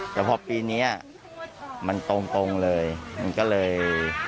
แต่พอปีนี้มันตรงเลยมันก็เลย